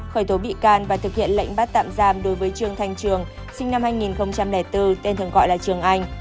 khởi tố bị can và thực hiện lệnh bắt tạm giam đối với trương thanh trường sinh năm hai nghìn bốn tên thường gọi là trường anh